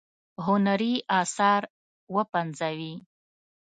هنري آثار وپنځوي.